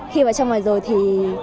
khi vào trong ngoài rồi thì